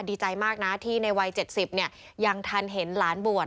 ดีใจมากนะที่ในวัยเจ็ดสิบเนี่ยยังทันเห็นหลานบวช